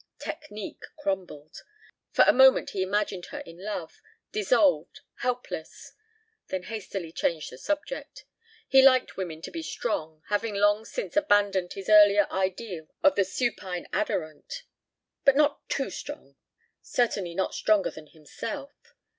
Technique crumbled. For a moment he imagined her in love, dissolved, helpless; then hastily changed the subject. He liked women to be strong having long since abandoned his earlier ideal of the supine adorant but not too strong. Certainly not stronger than himself.